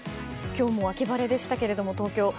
今日も秋晴れでしたけれども東京。